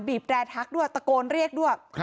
บีบร้อยทักด้วยตะโกนเรียกด้วยครับ